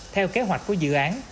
theo kế hoạch của dự án